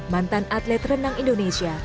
mantan atlet renang indonesia